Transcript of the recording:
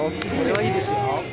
これはいいですよ